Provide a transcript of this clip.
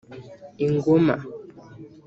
‘Ingoma’